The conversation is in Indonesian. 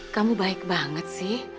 kamu baik banget sih